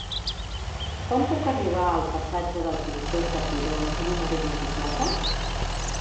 Com puc arribar al passatge del Pintor Tapiró número vint-i-quatre?